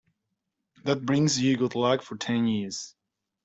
That brings you good luck for ten years.